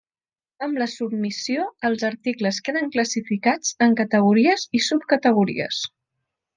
Amb la submissió, els articles queden classificats en categories i subcategories.